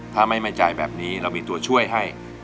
ถ้าไม่มั่นใจแบบนี้เรามีตัวช่วยให้